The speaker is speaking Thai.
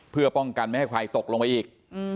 เพื่อป้องกันไม่ให้ใครตกลงไปอีก